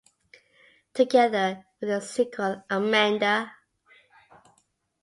Together with its sequel Amanda.